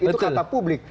itu kata publik